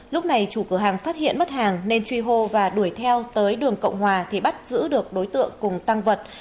lúc này chủ cửa hàng phát hiện mất hàng nên truy hô và đuổi theo tới đường cộng hòa thì bắt giữ được đối tượng cùng tăng vật